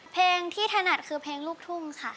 เพลงที่ถนัดคือเพลงลูกทุ่งค่ะ